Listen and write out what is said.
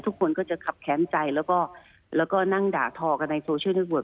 ทุกคนก็จะขับแค้นใจแล้วก็นั่งด่าทอกันในโซเชียลด้วยเวิร์